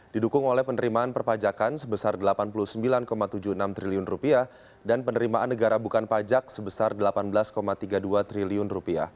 didukung oleh penerimaan perpajakan sebesar rp delapan puluh sembilan tujuh puluh enam triliun dan penerimaan negara bukan pajak sebesar rp delapan belas tiga puluh dua triliun